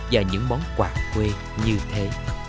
và những món quà quê như thế